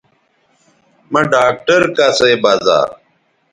مہ ڈاکٹر کسئ بزا